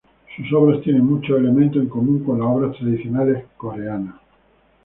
Sus obras tienen muchos elementos en común con las obras tradicionales coreanas.